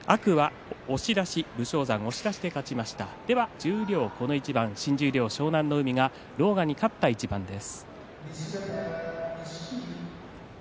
十両この一番、湘南乃海が狼雅に勝った一番です。